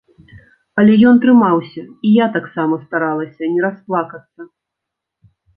Але ён трымаўся, і я таксама старалася не расплакацца.